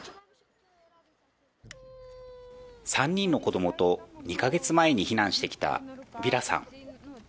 ３人の子供と２か月前に避難してきたヴィラさん。